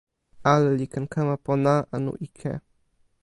ale li ken kama pona anu ike.